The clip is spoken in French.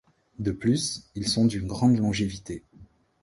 De plus, ils sont d'une grande longévité.